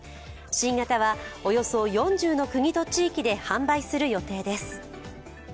新型はおよそ４０の国と地域で販売する予定です。